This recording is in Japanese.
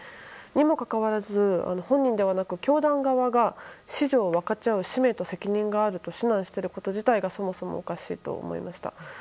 にもかかわらず、本人ではなく教団側が子女を分かち合う使命と責任があると指南していること自体がそもそもおかしいと思いました。